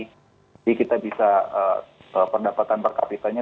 jadi kita bisa pendapatan per kapitanya